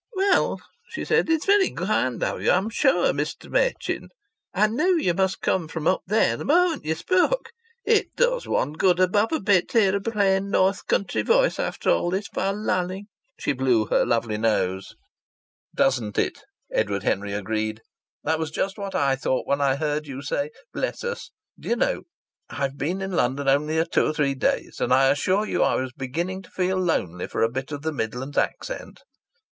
"Well," she said, "it's very kind of you, I'm sure, Mr. Machin. I knew you must come from up there the moment ye spoke. It does one good above a bit to hear a plain north country voice after all this fal lalling." She blew her lovely nose. "Doesn't it!" Edward Henry agreed. "That was just what I thought when I heard you say 'Bless us!' Do you know, I've been in London only a two three days, and I assure you I was beginning to feel lonely for a bit of the Midland accent!"